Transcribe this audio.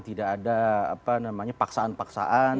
tidak ada paksaan paksaan